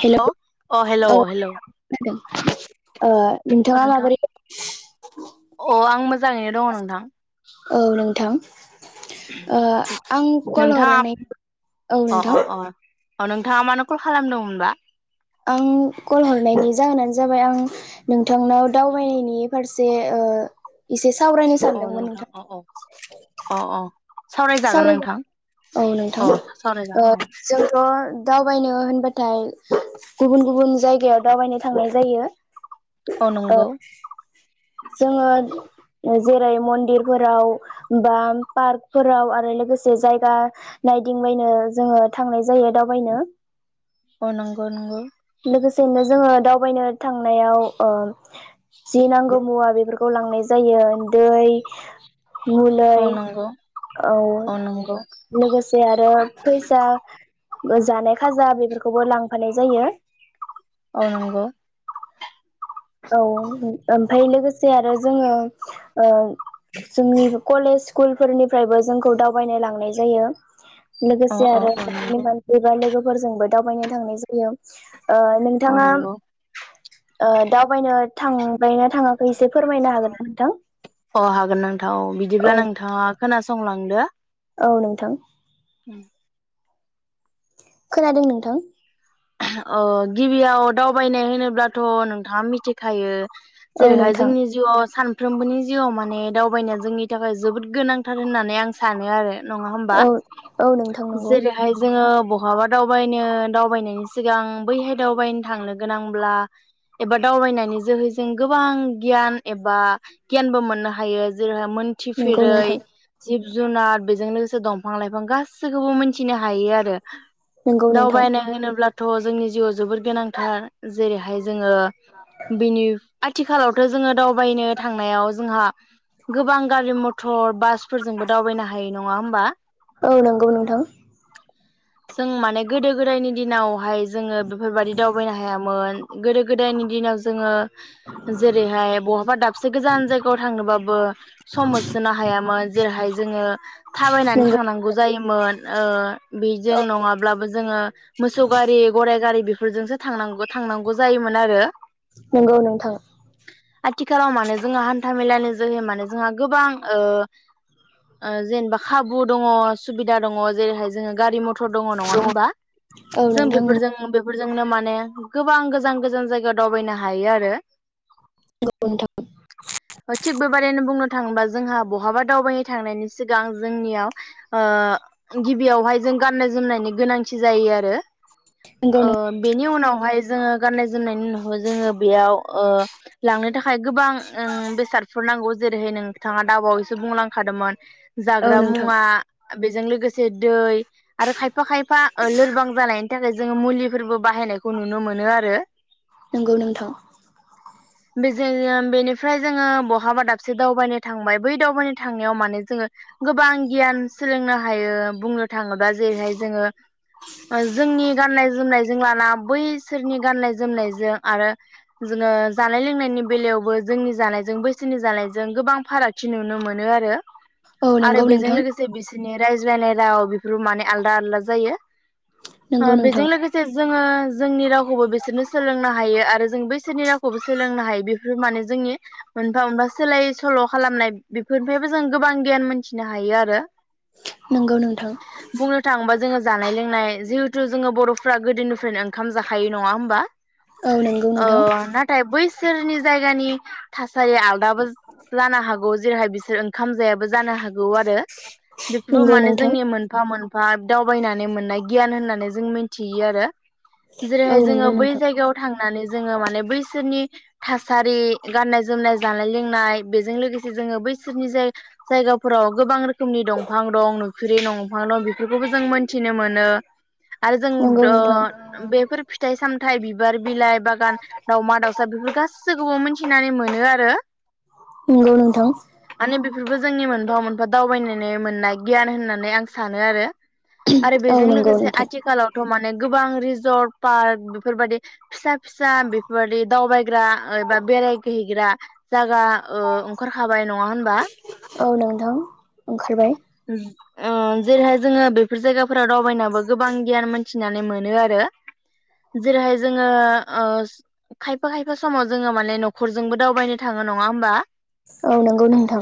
Hello अ hello औ hello खोनादों ओ नोंथाङा अ नोंथां माबोरै अ आं मोजाङैनो दङ नोंथां। औ नोंथां। ओ आं कल नोंथाङा हरनाय औ नोंथां। थांङा मानो कल खालामदोंमोनबा? आं कल हरनायनि जाहोनानो जाबाय आं नोंथांनाव दावबायनायनि फारसे ओ एसे सा सावरायनो अ सानदोंमोन नोंथां अ अ नोंथां। अ अ सावरायजागोन नोंथां सावरायगोन औ नोंथां अ ओ सावरायजागोन जोंथ' दावबायनो होनबाथाय गुबुन-गुबुन जायगायाव दावबायनो थांनाय जायो। औ ओ नंगौ। जोङो जेरै मन्दिरफोराव बा पार्कफोराव आरो लोगोसे जायगा नायदिंबायनो जोङो थांनाय जायो दावबायनो। नंगौ नंगौ। लोगोसेनो जोङो दावबायनो थांनायाव ओ जि नांगौ मुवा बेफोरखौ लांनाय जायो दै मुलै औ नंगौ औ लोगोसे आरो फैसा। बे जानाय खाजा बेफोरखौबो लांफानाय जायो। औ नंगौ। औ ओम फ्राय लोगोसे आरो जोङो ओ जोंनि कलेज स्कुलफोरनिफ्रायबो जोंखौ दावबायनो लांनाय जायो। अ लोगोसे अ आरो अ न'खरनि नंगौ मानसि बा लोगो फोरजोंबो दावबायनो थांनाय जायो। ओ औ नोंथाङा नंगौ ओ दा वबायनो थांबायना थाङा अह हागोन नोंथां औ बिदिब्ला नोंथाङा खोना संलांदो। औ नोंथां। खोनादों नोंथां। अह गिबियाव दावबायनाय होनोब्लाथ' नोंथाङा मिथिखायो। औ जेरैहाय नोंथां जोंनि जिउआव सान फ्रोमबोनि जिउआव माने दावबायनाया जोंनि थाखाय जोबोद गोनांथार होननानै आं सानो आरो। नङा होमबा औ औ नोंथां नंगौ जेरैहाय जोङो बहाबा दावबायनो दावबायनायनि सिगां बैहाय दावबायनो थांनो गोनांब्ला एबा दावबायनायनि जोहै जों गोबां गियान एबा गियानबो मोननो हायो जेरै नंगौ मिनथिफेरै नोंथां जुनार बेजों लोगोसे दंफां लाइफां गासैखौबो मिथिनो हायो आरो। नंगौ नोंथां दावबायनाय होनोब्ला जोंनि जिउआव जोबोर गोनांथार जेरैहाय जोङो बिनि आथिखालावथ' जोङो दावबायनो थांनायाव जोंहा गोबां गारि मथर बासफोरजोंबो दावबायनो हायो नङा होमबा? औ नंगौ नोंथां। जों माने गोदो गोदायनि दिनाव हाय जोङो बेफोरबादि दावबायनो हायामोन। गोदो गोदायनि दिनाव जोङो जेरैहाय बहाबा दाबसे गोजान जायगायाव थांनोबाबो सम होसोनो हायामोन जेरैहाय जोङो थाबायनानै नंगौ थांनांगौ जायोमोन ओ बेजों नङाब्लाबो जोङो मोसौ गरायाइ गारि बेफोरजोंसो थांनांग थांनांगौ जायोमोन आरो नंगौ नोंथां आथिखालाव माने जोंहा हान्था मेलानि जोहै माने जोंहा गोबां ओ जेनेबा खाबु दङ सुबिदा दङ जेरैहाय जोङो गारि मथर दङ नङा होमबा? औ नोंथां बेफोरजों बेफ फोरजोंनो माने गोबां गोजान गोजान जायगायाव दावबायनो हायो आरो नंगौ नोंथां ओ थिब बो बारैनो बुंनो थाङोबा जोंहा बहाबा दावबायनो थांनायनि सिगां जोंनियाव ओ गिबियावहाय जों गाननाय जोमनायनि गोनांथि जायो आरो नंगौ ओ बेनि उनाव हाय जोङो गाननाय जोमनायनि उनाव जोङो बेयाव ओ लांनो थाखाय गोबां उम बेसादफोर नांगौ जेरैहाय नोंथाङा दाबावैसो बुंलांखादोंमोन औ जाग्रा नोंथां मुवा बेजों लोगोसे दै आरो खायफा खायफा ओ लोरबां जानाय थाखाय जोङो मुलिफोरबो बाहायनायखौ नुनो मोनो आरो नंगौ नोंथां। [unintelligible] बेनिफ्राय जोङो बहाबा दाबसे दावबायनो थांबाय बै दावबायनो थांनायाव माने जोङो गोबां गियान सोलोंनो हायो बुंनो थाङोबा जेरैहाय जोङो ओज गाननाय जोमनायजों लाना बैसोरनि गाननाय जोमनायजों आरो जोङो जानाय लोंनायनि बेलायावबो जोंनि जानायजों बैसोनि जानायजों गोबां फारागथि नुनो मोनो आरो औ आरो नंगौ बेजों नोंथां लोगोसे बिस बिनि रायज्लायनाय राव बेफोर माने आलदा आलदा जायो। ओ नंगौ बेजों नोंथां लोगोसे जोङो जोंनि रावखौबो बिसोरनो सोलोंनो हायो आरो जों बैसोरनि रावखौबो सोलोंनो हायो बेफोर माने जोंनि मोनफा मोनफा सोलाय सोल' खालामनाय बेफोरनिफ्रायबो जों गोबां गियान मोनथिनो हायो आरो नंगौ नोंथां बुंनो थाङोबा जोङो जानाय लोंनाय गोथु जोङो बर'फ्रा गोदोनिफ्रायनो ओंखाम जाखायो नङा होमबा? औ नंगौ अ नोंथां नाथाय बैसोरनि जायगानि जायो आलदाबो जानो हागौ जेरैहाय बिस सोर ओंखाम जायाबो जानो हाग गौ आरो बेफोरबो नंगौ माने नोंथां जोंनि मोनफा मोन हाब दावबायनानै मोननाय गियान होननानै जों मिथियो आरो औ जेरैहाय नंगौ जोङो बै नोंथां जायगायाव थां नानै जोंङो माने बैसोरनि थासारि गाननाय जोमनाय जानाय लोंनाय बेजों लोगोसे जोंङो बैसोरनि जाय जायगाफोराव गोबां रो रोखोमनि दंफां दं नुफ्रि दंफां दं बेफोरखौबो जों मोनथिनो मोनो। आरो जों नंगौ द नोंथां बेफोर फिथाय साम थाय बिबार बिलाय बागान दावमा दाउसा बेफोर गासिखौबो मोन थिनानै मोनो आरो नंगौ नोंथां माने बेफोरखौ जोंनि मोन मोनफा-मोनफा दावबायनानै मोननाय गियान होननानै आं सानो आरो। आरो औ बेजों नंगौ लोगो नोंथां बेआथिखालावथ' माने गोबां रिजर्ट पार्क बेफोरबायाददि फिसा-फिसा बेफोरबायाददि दावबायग्रा एबा बेरायगहैग्रा जायगा ओ ओंखारखाबाय नंङा होनबा औ नोंथां ओंखारबाय ओं जेरैहाय जोंङो बेफोर जायगाफोराव दावबाय गोबां गियान मोनथि नानै मोनो आरो जेरैहाय जोंङो खायफा-खायफा समाव जोंङो माने न'खरजोंबो दावबायनो थांङो नंङा होमबा औ नंगौ नोंथां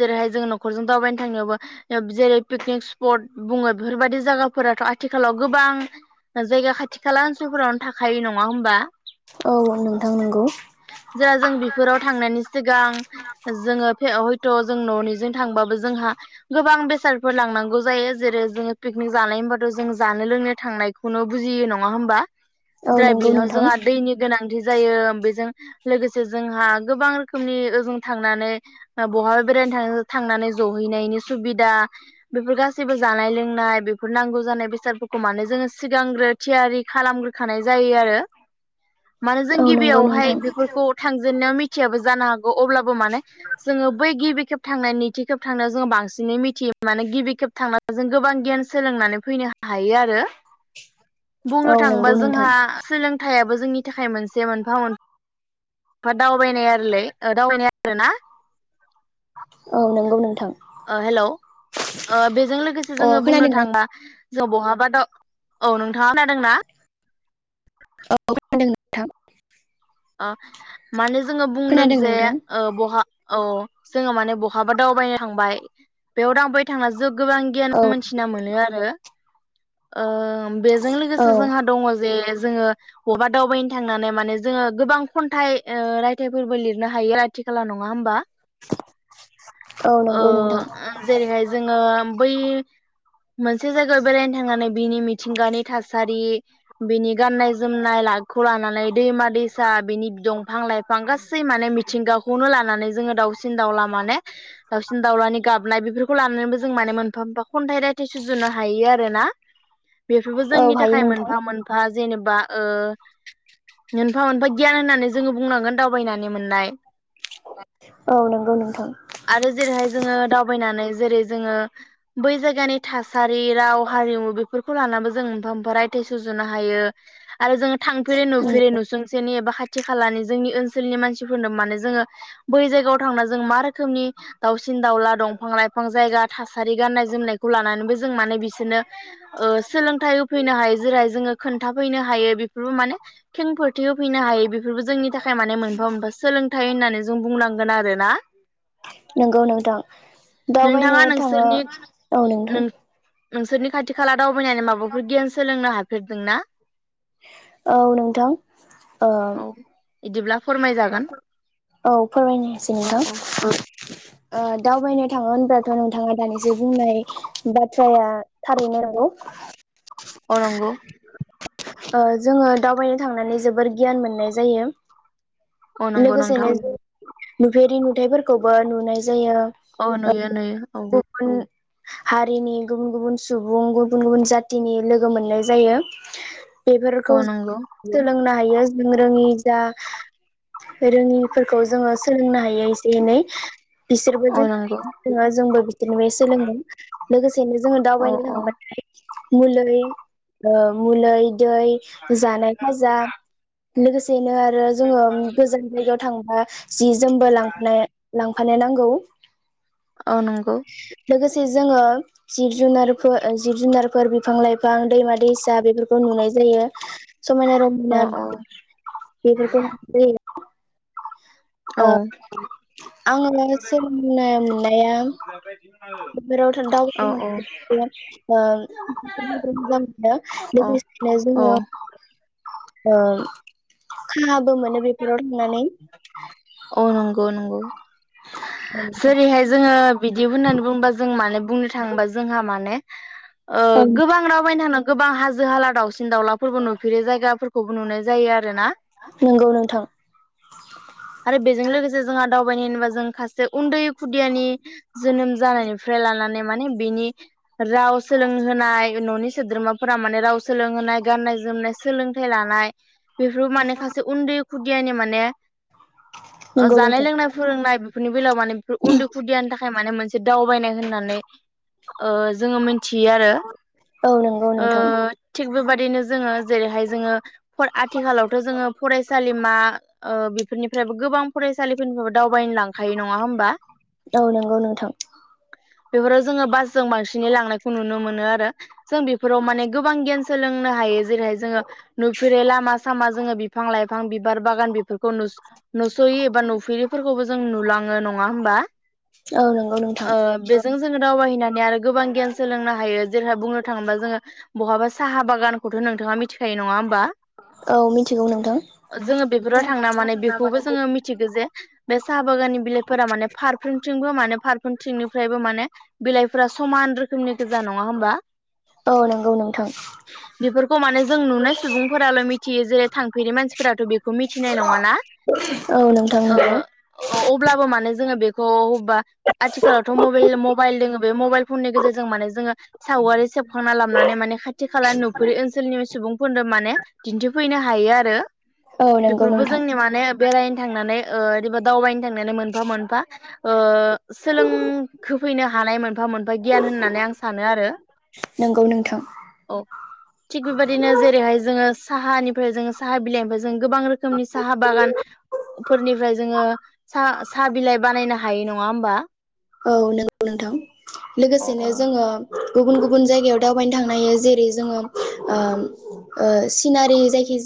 जेरैहाय जोंङो न'खरजों दावबायनो थांनायावबो जेरै पिकनिक स्पट बुंङो बेफोरबायदि जायगा फोराथ' आथिखालाव गोबां जायगा खाथि खाला ओनसोलफोरावनो थाखायो नंङा होमबा। औ नोंथां नंगौ जा जों बेफोराव थांनायनि सिगां जोंङो फेवड थ जों न'निजों थांबाबो जोंहा गोबां बेसादफोर लांनांगौ जायो जेरै जोंङो पिकनिक जानाय होमबाथ' जों जानो लोंनो थांनायखौनो बुजियो नंङा होमबा। औ ओमफ्राय नंगौ बेयाव नोंथां जोंहा दैनि गोनां थि जायो बेजों लोगोसे जोंहा गोबां रोखोमनि ओजों थांनानै बहा बेरायनो थांनानै ज हैनायनि सुबिदा बेफोर गासैबो जानाय लोंनाय बे फोर नांगौ जानाय बेसादफोरखौ माने जोंङो सिगांग्रो थियारि खालामग्रोखानाय जायो आरो। मानो जों औ नंगौ गिबियावहाय नोंथां बेफोरखौ थांजेननाया मि थियाबो जानो हागौ अब्लाबो माने जोंङो बै गिबि खेब थांनाय निथि खेब थांनायाव जोंङो बांसिनै मिथियो माने गिबि खेब थांनानै जों गोबां गियान सोलोंनानै फैनो हायो आरो बुंनो औ थाङोबा नंगौ नोंथां जोंहा सोलोंथाइयाबो जोंनि थाखाय मोनसे मोनफा मोन फा दावबायनाय आरोलाय दावबायनाय आरो ना औ नंगौ नोंथां हेलौ अ बेजों लोगोसे अ जोंङो बुंनो खोनादोंना थांब्ला ज' बहाबा द' औ नोंथाङा खोनादोंना? [unintelligible] आ मानो जोङो बुंदों खोनादों जे नोंथां ओ बहा औ जोङो माने बहाबा दावबायनो थांबाय बेयाव दावबाय थांना जोब गोबां गियान औ मोनथिना मोनो आरो। ओ बेजों औ लोगोसे जोंहा दङ जे जोङो बबा दावबायनो थांनानै माने जोङो गोबां खन्थाइ ओ रायथाइफोरबो लिरनो हायो आथिखालआव नङा होमबा। औ ओ नंगौ नोंथां उम जेरैहाय जोङो बै मोनसे जायगायाव बेरायनो थांनानै बिनि मिथिंगानि थासारि। बिनि गाननाय जोमनाय लाकखौ लानानै दैमा दैसा बिनि दं फां लाइफां गासै माने मिथिंगाखौनो लानानै जोङो दाउसिन दाउला माने दाउसिन दाउलानि गाबनाय बेफोर खौ लानानैबो जों माने मोनफा मोनफा खन्थाइ रायथाइ सुजुनो हायो आरो ना। बेफोरबो औ जोंनि हायो थाखाय नोंथां मोनफा मोनफा जेनेबा ओ मोनफा मोनफा गियान होननानै जोङो बुंनांगोन दावबायनानै मोननाय। औ नंगौ नोंथां आरो जेरैहाय जोङो दावबायनानै जेरै जोङो बै जायगानि था सारि हारि राव हारिमु बेफोर खौ लानाबो जों मोनफा मोनफा रायथाइ सुजुनो हायो आरो जों थां फेरि नुसुंसेनि एबा खा थि खालानि जोंनि ओनसोलनि मानसिफोरनो माने जोङो बै जायगायाव थांना जों मा रोखोमनि दाउसिन दाउला दंफां लाइफां जायगा थासारि गाननाय जोमनायखौ लानानैबो जों माने बिसोरनो ओ सोलोंथाइ होफैनो हायो जेरै जोङो खोन्थाफैनो हायो बेफोरबो माने खेंफोरथि होफैनो हायो बेफोरबो जोंनि थाखाय माने मोनफा मोनफा सोलोंथाइ होननानै जों बुंनांगोन आरोना। नोंगौ नोंथां दावबायनो नोंथाङा थाङो नोंसोरनि औ नों नोंथां। नोंसोरनि खाथि खाला दावबायनानै माबाफोर गियान सोलोंनो हाफेरदोंना? [unintelligible] औ नोंथां ओ एदिब्ला औ फोरमायनोसै औ नोंथां। औ ओ दावबायनो थाङो होनब्लाथ' नोंथाङा दानिसो बुंनाय बाथ्राया थारैनो नंगौ। अ नंगौ। ओ जोङो दावबायनो थांनानै जोबोर गियान मोननाय जायो। अ नंगौ लोगोसेनो नोंथां। नुफेरि नुथायफोरखौबो नुनाय जायो औ नुयो नुयो औ [unintelligible] हारिनि गुबुन गुबुन सुबुं गुबुन गुबुन जाथिनि लो मोननाय जायो। बेफोरखौ औ नंगौ [unintelligible] हायो जों रोङि जा रोङिफोरखौ जोङो सोलोंनो हायो एसे एनै। बिसोरबो औ नंगौ जोङो जोंबो बिसोरनिफ्राय सोलोंगोन। लोगोसे। औ औ [unintelligible] [unintelligible] ओ मुलोय। दै जानाय खाजा। लोगोसेनो। ओ जोङो गोजान जायगायाव थांबा जि जोमबो लांफाना ला फानो नांगौ। अ नंगौ। [unintelligible] जोङो जिब जुनारफोर जिब जुनारफोर बिफां लाइ गोबां दैमा दैसा बेफोरखौ नुनाय जायो। समायना औ रमायना। औ बेफोरखौ [unintelligible] ओ औ आङो सोलोंनो मोननाय आ। औ औ औ [unintelligible] [unintelligible] मोनो बेफोराव थांनानै। औ नंगौ नंगौ जेरैहाय जोङो बिदि होननानै बुङोबा जों मानो बुंनो। थांबा जोंहा माने। ओ औ गोबां राव बायनो हानां गोबां हाजो हाला दावउसिन। सिन दावलाफोरबो नुफेरै जायगाफोर खौबो नुनाय जायो आरोना नोंगौ नोंथां आरो बेजों लोगोसे जोंहा दाउ [unintelligible] जे उन्दै खुदियानि जोनोम जानायनिफ्राय लानानै माने बेनि राव सोलोंहोनाय न'नि सोद्रोमाफोरा माने राव सोलोंहोनाय गाननाय जोमनाय सोलोंथाइ लानाय बेफोर माने खासे उन्दै खुदियानि माने ओ नंगौ जानाय नोंथां लोंनाय फोरोंनाय बेफोरनि बेलायाव माने बेफोर उन्दै खुदियानि थाखाय माने मोनसे दावबायनाय होननानै ने ओ जोङो मिन थियो आरो औ नंगौ ओ नोंथां थिख बेबादिनो जोङो जेरैहाय जोङो फ आथिखालावथ' जोङो फरायसालि मा ओ बि बेफोरनिफ्रायबो गोबां फरायसालिफोरनिफ्रायबो दावबायनो लांखायो नङा होमबा? औ नोंगौ नोंथां बेफोराव जोङो बासजों बांसिनै लांनायखौ नुनो मोनो आरो जों बेफोराव माने गोबां गियान सोलोंनो हायो जेरैहाय जोङो नुफेरै लामा सामा जोङो बिफां लाइफां बिबार बागान बेफोरखौ नुस'यि एबा नुफिफोरखौबो जों नुलाङो नङा होमबा? औ नंगौ [inaudible] नोंथां ओ बेजों जोङो दावबायहैनाय नै आरो गोबां गियान सोलोंनो हायो। जेरैहा बुंनो थाङोबा जोङो बहाबा साहा बागानखौथ' नोंथाङा मिथिखायो नङा होमबा? औ मिथिगौ नोंथां खौबो जोङो मिथिगो जे बे साहा बागाननि बिलाइफोरा माने फारफ्रोमथिंबो माने फारफ्रोमथिंनिफ्रायबो माने बिलाइ फ्रा समान रोखोमनि गोजा नङा होमबा औ नंगौ नोंथां [inaudible] बिफोर खौ माने जों नुनाय सुबुंफोराल' मि थियो जे थांफेरै मानसिफोराथ' बेखौ मिथिनाय नङाना? औ नोंथां नोंगौ औ अब्लाबो माने जोङो बेखौ अबेबा आथिखालावथ' मबेल मबाइल दोङो बे मबाइल फननि गेजेरजों माने जोङो सावगारि सेबखांना लाबनानै माने खाथि खाला नुफुरि ओनसोलनि सुबुंफोरनो माने दिन्थिफैनो हायो आरो औ नंगौ बेफोरबो नोंथां जोंनि माने नायनो थांनानै ओ ओरैबा दावबायनो थांनानै मोनफा मोनफा ओ सोलों होफैनो हानायमोन मोनफा मोनफा गियान होननानै आं सानो आरो नंगौ नोंथां औ थिग बेबायदिनो जेरैहाय जोङो साहानिफ्राय जों साहा बिलाइनिफ्राय जों गोबां रोखोमनि साहा बागान फोरनिफ्राय जोङो सा साहा बिलाइ बानायनो हायो नङा होमबा औ नंगौ नोंथां अ अ। लोगोसेनो जोङो गुबुन गुबुन जायगायाव दावबायनो थांनो हायो। जेरै जोङो ओ ओ सिनारि जायखि जा